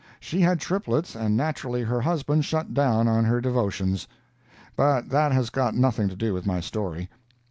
She had triplets, and naturally her husband shut down on her devotions. But that has got nothing to do with my story.